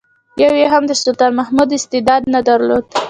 یو یې هم د سلطان محمود استعداد نه درلود.